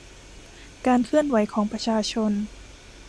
การเคลื่อนไหวของประชาชน